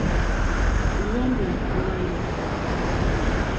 Lyǒmɛ̀ nà yɔ̀kɔ́.